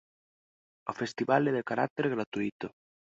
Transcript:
O festival é de carácter gratuíto.